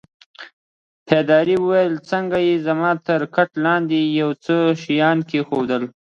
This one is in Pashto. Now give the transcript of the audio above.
پادري وویل: څنګه يې؟ زما تر کټ لاندي يې یو څه شیان کښېښوول.